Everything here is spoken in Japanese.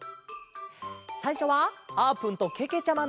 さいしょはあーぷんとけけちゃまのえ。